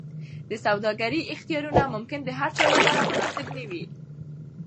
د سوداګرۍ اختیارونه ممکن د هرچا لپاره مناسب نه وي.